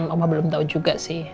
oma belum tahu juga sih